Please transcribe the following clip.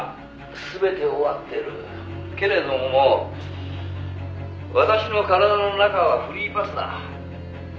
「けれども私の体の中はフリーパスだ」